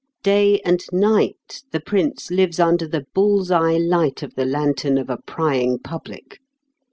Day and night the Prince lives under the bull's eye light of the lantern of a prying public.